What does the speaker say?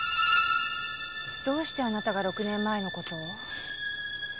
どうしてあなたが６年前の事を？